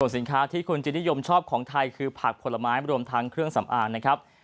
สินค้าที่คุณจินิยมชอบของไทยคือผักผลไม้รวมทั้งเครื่องสำอางนะครับ